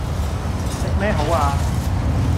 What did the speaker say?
食咩好啊